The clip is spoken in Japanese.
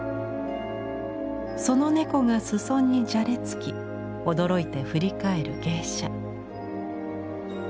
その猫が裾にじゃれつき驚いて振り返る芸者。